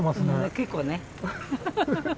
結構ね。